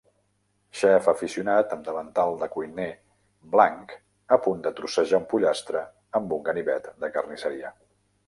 Xef aficionat amb davantal de cuiner blanc a punt de trossejar un pollastre amb un ganivet de carnisseria.